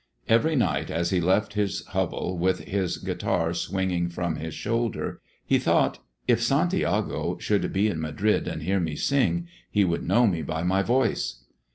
Every night as he left his hovel with his guitar swinging from his shoulder he thought, "If Santiago should be in Madrid and hear me sing, he would know me by my voice."